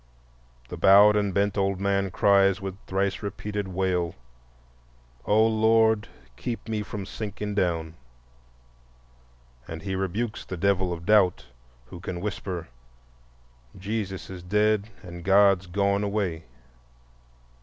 The bowed and bent old man cries, with thrice repeated wail: "O Lord, keep me from sinking down," and he rebukes the devil of doubt who can whisper: "Jesus is dead and God's gone away."